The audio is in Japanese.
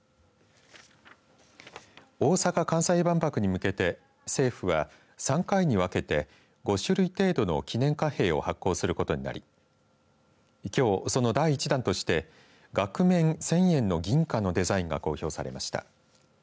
大阪・関西万博に向けて政府は３回に分けて５種類程度の記念貨幣を発行することになりきょう、その第１弾として額面１０００円の銀貨のデザインが公表されました。